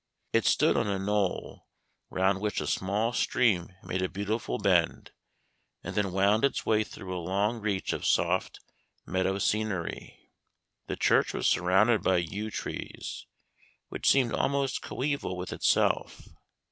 It stood on a knoll, round which a small stream made a beautiful bend and then wound its way through a long reach of soft meadow scenery. The church was surrounded by yew trees, which seemed almost coeval with itself.